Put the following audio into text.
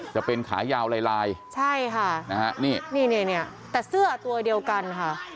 จะเป็นขายาวลายใช่คะนี่แต่เสื้อตัวเดียวกันค่ะ